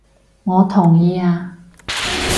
我同意啊！